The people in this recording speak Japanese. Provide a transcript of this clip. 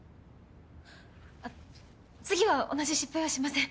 あっ次は同じ失敗はしません。